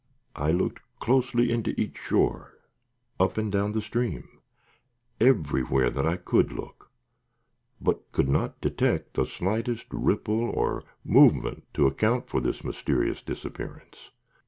I looked closely into each shore, up and down the stream, everywhere that I could look, but could not detect the slightest ripple or movement to account for this mysterious disappearance.